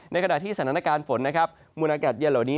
ในขณะที่สัญละการฝนมูลฯ์หละกัจเย็นเหล่านี้